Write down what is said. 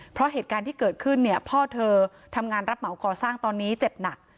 เพราะเหตุการณ์ที่เกิดขึ้นเนี่ยพ่อเธอทำงานรับเหมาก่อสร้างตอนนี้เจ็บหนัก